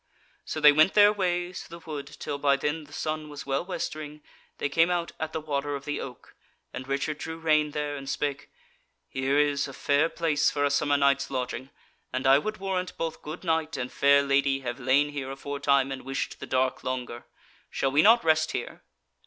So they went their ways through the wood till by then the sun was well westering they came out at the Water of the Oak, and Richard drew rein there, and spake: "Here is a fair place for a summer night's lodging, and I would warrant both good knight and fair lady have lain here aforetime, and wished the dark longer: shall we not rest here?"